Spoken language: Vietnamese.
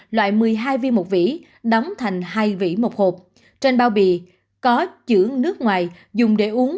loại một mươi hai viên một vĩ đóng thành hai vĩ một hộp trên bao bì có chữ nước ngoài dùng để uống